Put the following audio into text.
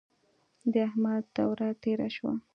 د احمد دوره تېره شوه.